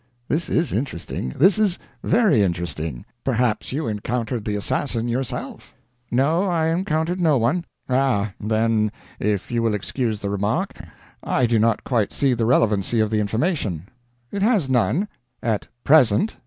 This is interesting this is very interesting. Perhaps you encountered the assassin?" "No, I encountered no one." "Ah. Then if you will excuse the remark I do not quite see the relevancy of the information." "It has none. At present.